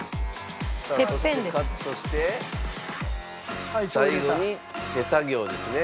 さあそしてカットして最後に手作業ですね。